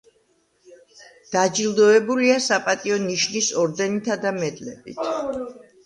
დაჯილდოებულია საპატიო ნიშნის ორდენითა და მედლებით.